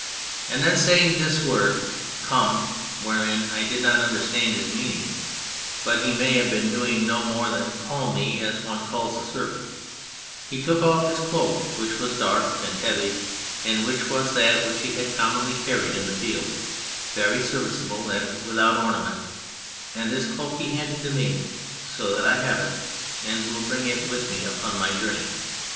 And then saying this word " Come/' wherein I did not understand his meaning but he may have been doing no more than call me as one calls a servant he took off his cloak, which was dark and heavy and which was that which he had commonly carried in the field, very service able and without ornament, and this cloak he handed to me, so that I have it and will bring it with me upon my journey.